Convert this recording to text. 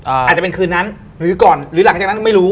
อาจจะเป็นคืนนั้นหรือก่อนหรือหลังจากนั้นไม่รู้